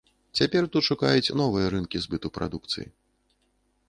Цяпер тут шукаюць новыя рынкі збыту прадукцыі.